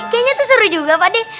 kayaknya tuh seru juga pak de